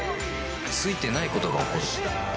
ついてないことが起こる